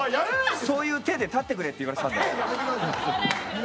そういうていで立ってくれって言われてたので。